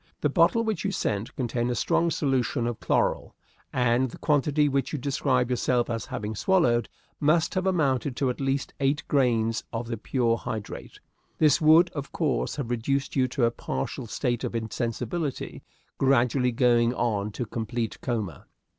The bottle which you sent contained a strong solution of chloral, and the quantity which you describe yourself as having swallowed must have amounted to at least eighty grains of the pure hydrate. This would, of course, have reduced you to a partial state of insensibility, gradually going on to complete coma.